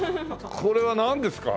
これはなんですか？